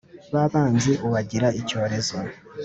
ba banzi ubagira icyorezo.